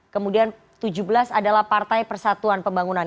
kemudian tujuh belas adalah partai persatuan pembangunan